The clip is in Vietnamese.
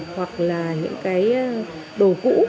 hoặc là những cái đồ cũ